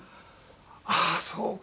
ああーそうか。